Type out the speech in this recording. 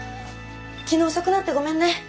昨日遅くなってごめんね。